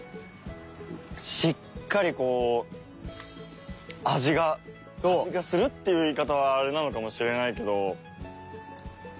しっかりこう味が味がするっていう言い方はあれなのかもしれないけど。